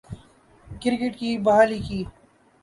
cricket کی بحالی کی